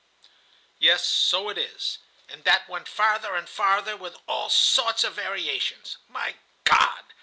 "Yes, so it is; and that went farther and farther with all sorts of variations. My God!